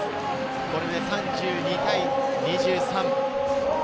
これで３２対２３。